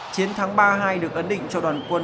chiến thắng ba hai được ấn định cho đoàn quân